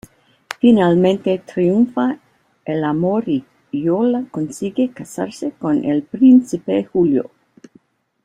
Finalmente triunfa el amor y Yola consigue casarse con el Príncipe Julio.